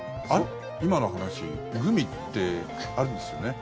今の話グミってあるんですよね。